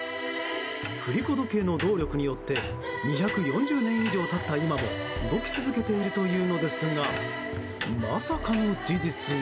振り子時計の動力によって２４０年以上経った今も動き続けているというのですがまさかの事実が。